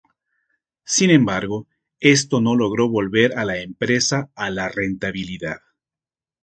Sin embargo esto no logró volver a la empresa a la rentabilidad.